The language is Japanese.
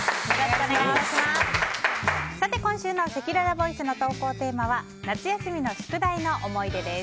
今週のせきららボイスの投稿テーマは夏休みの宿題の思い出です。